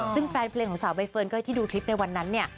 ซึ่งแฟนเพลงของสาวใบเฟิร์นก็ที่ดูคลิปในวันนั้นเนี่ย